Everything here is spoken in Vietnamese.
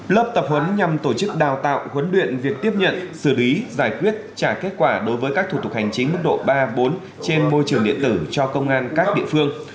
lớp tập huấn nhằm tổ chức đào tạo huấn luyện việc tiếp nhận xử lý giải quyết trả kết quả đối với các thủ tục hành chính mức độ ba bốn trên môi trường điện tử cho công an các địa phương